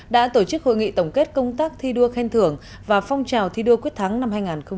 đã tổ chức hội nghị tổng kết công tác thi đua khen thưởng và phong trào thi đua quyết thắng năm hai nghìn một mươi chín